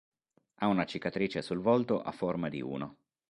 Ha una cicatrice sul volto a forma di uno.